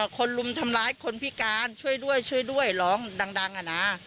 ลุมทำร้ายคนพิการช่วยด้วยช่วยด้วยร้องดังอะนะ